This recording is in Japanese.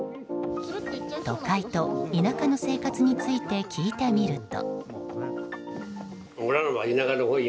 都会と田舎の生活について聞いてみると。